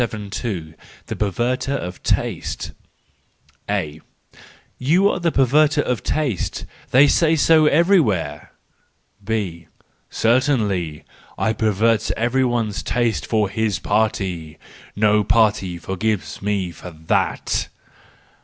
The Perverterof Taste. —A: "You are a perverter of taste—they say so everywhere! " B: "Certainly! I pervert every one's taste for his party:—no party forgives me for that."